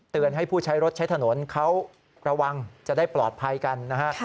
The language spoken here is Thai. ให้ผู้ใช้รถใช้ถนนเขาระวังจะได้ปลอดภัยกันนะฮะ